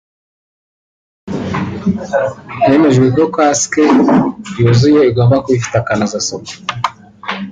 Hemejwe ko kasike (casque) yuzuye igomba kuba ifite akanozasuku